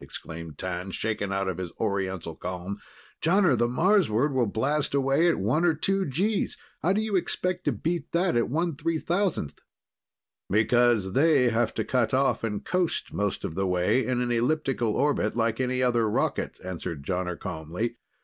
exclaimed T'an, shaken out of his Oriental calm. "Jonner, the Marsward will blast away at one or two Gs. How do you expect to beat that at 1/3,000th?" "Because they have to cut off and coast most of the way in an elliptic orbit, like any other rocket," answered Jonner calmly.